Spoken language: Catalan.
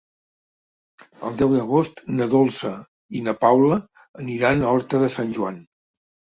El deu d'agost na Dolça i na Paula aniran a Horta de Sant Joan.